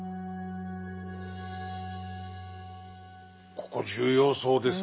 ここ重要そうですね。